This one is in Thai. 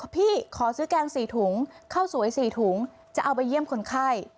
พี่ขอซื้อแกง๔ถุงข้าวสวย๔ถุงจะเอาไปเยี่ยมคนไข้